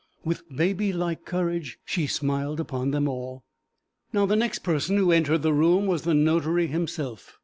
With baby like courage she smiled upon them all. Now the next person who entered the room was the notary himself.